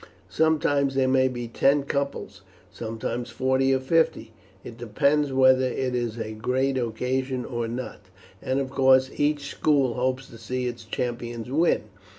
Sometimes there may be ten couples, sometimes forty or fifty, it depends whether it is a great occasion or not; and of course each school hopes to see its champions win.